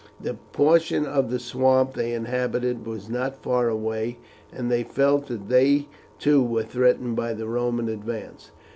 The portion of the swamp they inhabited was not far away, and they felt that they too were threatened by the Roman advance.